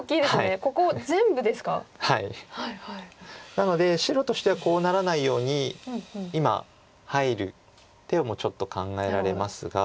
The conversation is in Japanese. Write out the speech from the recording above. なので白としてはこうならないように今入る手もちょっと考えられますが。